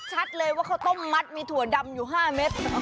ชัดเลยว่าข้าวต้มมัดมีถั่วดำอยู่๕เม็ด